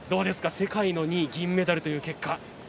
世界の２位、銀メダルという結果。